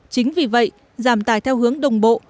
chính vì vậy giảm tài theo hướng đồng bộ